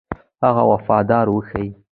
هغه وفاداري وښيي.